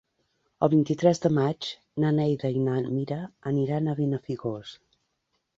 El vint-i-tres de maig na Neida i na Mira aniran a Benafigos.